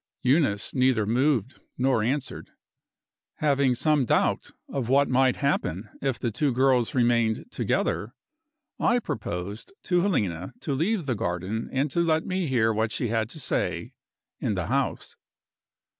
Eunice neither moved nor answered. Having some doubt of what might happen if the two girls remained together, I proposed to Helena to leave the garden and to let me hear what she had to say, in the house.